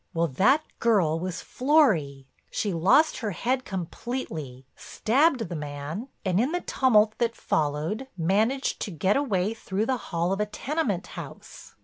Well, that girl was Florry. She lost her head completely, stabbed the man, and in the tumult that followed, managed to get away through the hall of a tenement house.